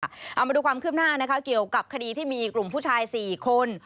เอามาดูความคืบหน้านะคะเกี่ยวกับคดีที่มีกลุ่มผู้ชาย๔คน